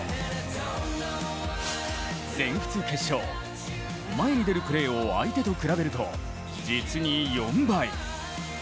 全仏決勝、前に出るプレーを相手と比べると実に４倍。